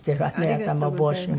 頭お帽子も。